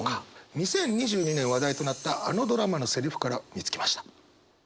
２０２２年話題となったあのドラマのセリフから見つけました。